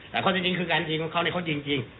แต่ค่อยแต่นี้คือการยิงของเขาเขายิงจริง